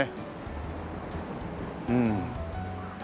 うん。